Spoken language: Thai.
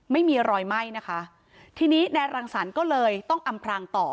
ไม่มีรอยไหม้นะคะทีนี้นายรังสรรค์ก็เลยต้องอำพรางต่อ